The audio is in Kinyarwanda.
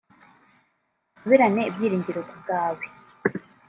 basubirane ibyiringiro ku bwawe